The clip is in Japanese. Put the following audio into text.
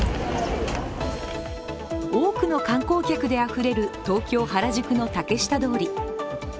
多くの観光客であふれる東京・原宿の竹下通り。